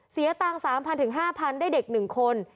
เสียตังค์๓๐๐๕๐๐ได้เด็ก๑คน